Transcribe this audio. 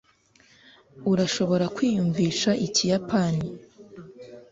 urashobora kwiyumvisha ikiyapani